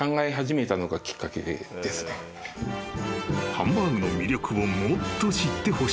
［ハンバーグの魅力をもっと知ってほしい］